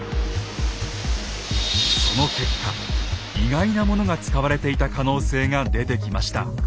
その結果意外なものが使われていた可能性が出てきました。